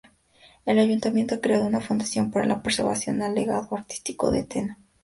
El Ayuntamiento ha creado una fundación para la preservación del legado artístico de Teno.